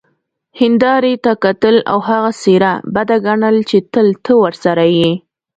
هیندارې ته کتل او هغه څیره بده ګڼل چې تل ته ورسره يې،